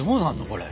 これ。